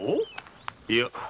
いや。